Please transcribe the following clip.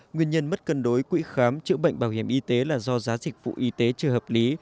nguyên nhân mất cân đối quỹ khám chữa bệnh bảo hiểm y tế là do giá dịch vụ y tế chưa hợp lý